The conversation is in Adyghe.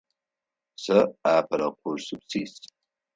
Сэ апэрэ курсым сис.